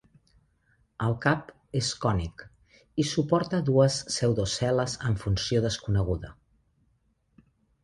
El cap és cònic, i suporta dues pseudocel·les amb funció desconeguda.